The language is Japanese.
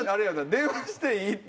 「電話していい？」って